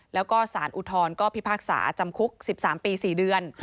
แล้วก็สารอุทธรณ์ก็พิพากษาจำคุก๑๓ปี๔เดือน